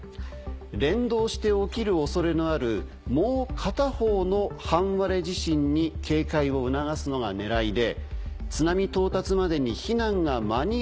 連動して起きる恐れのあるもう片方の半割れ地震に警戒を促すのが狙いで。